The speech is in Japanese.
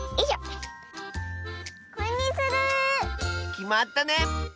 きまったね！